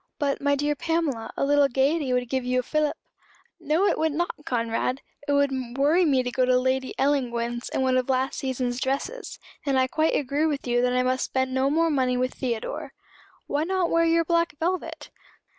"But, my dear Pamela, a little gaiety would give you a fillip." "No, it would not, Conrad. It would worry me to go to Lady Ellangowan's in one of last season's dresses; and I quite agree with you that I must spend no more money with Theodore." "Why not wear your black velvet?"